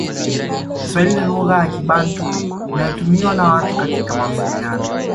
Kiswahili ni lugha ya Kibantu inayotumiwa na watu katika mawasiliano